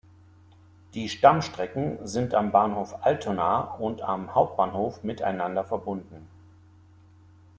Die Stammstrecken sind am Bahnhof Altona und am Hauptbahnhof miteinander verbunden.